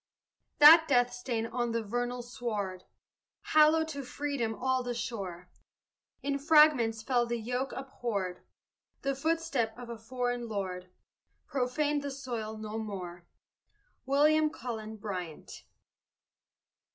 That death stain on the vernal sward Hallowed to freedom all the shore; In fragments fell the yoke abhorred The footstep of a foreign lord Profaned the soil no more. WILLIAM CULLEN BRYANT.